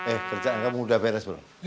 eh kerjaan kamu udah beres belum